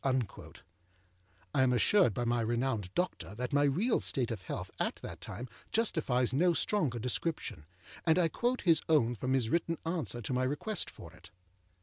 â I am assured by my renowned doctor that my real state of health at that time justifies no stronger description, and I quote his own from his written answer to my request for it.